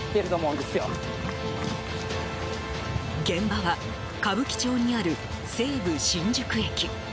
現場は歌舞伎町にある西武新宿駅。